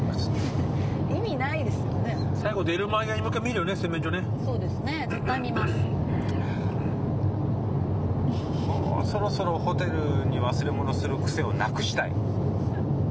もうそろそろホテルに忘れ物する癖をなくしたい。